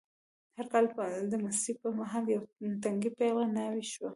هر کال به د مستۍ په مهال یوه تنکۍ پېغله ناوې شوه.